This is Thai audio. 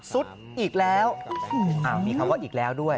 สุดอีกแล้วมีคำว่าอีกแล้วด้วย